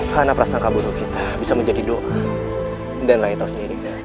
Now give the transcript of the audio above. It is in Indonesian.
karena prasangka buruk kita bisa menjadi doa dan laik tahu sendiri